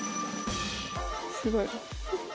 すごい。